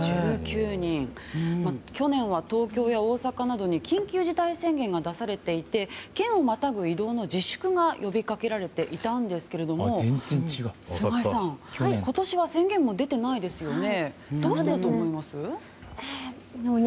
去年は東京や大阪などに緊急事態宣言が出されていて県をまたぐ移動の自粛が呼びかけられていたんですけども菅井さん、今年は宣言も出ていないですよね。